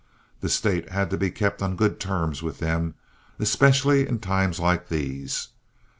The State had to keep on good terms with them, especially in times like these.